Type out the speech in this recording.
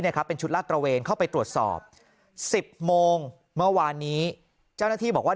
ครับเป็นชุดลาดตระเวนเข้าไปตรวจสอบ๑๐โมงเมื่อวานนี้เจ้าหน้าที่บอกว่า